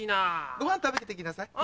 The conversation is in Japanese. ごはん食べていきなさい。